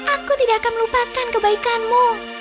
aku tidak akan melupakan kebaikanmu